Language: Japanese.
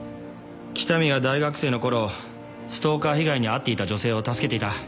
北見が大学生のころストーカー被害に遭っていた女性を助けていた。